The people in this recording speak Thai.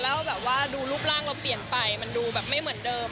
พอเราไปแล้วแบบว่าดูรูปร่างเราไปมันดูมันอย่างไม่เหมือนเดิม